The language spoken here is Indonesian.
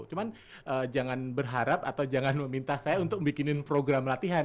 cuman jangan berharap atau jangan meminta saya untuk bikinin program latihan